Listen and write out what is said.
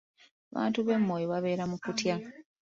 Abantu b'e Moyo babeera mu kutya.